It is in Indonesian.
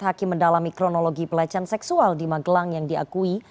hakim mendalami kronologi pelecehan seksual di magelang yang diakui